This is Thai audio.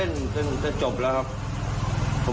จนจะจบแล้วครับ